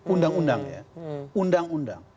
undang undang ya undang undang